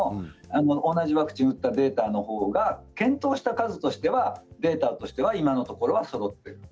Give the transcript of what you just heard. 同じワクチンを打ったデータのほうが検討した数としては今のところそろっている。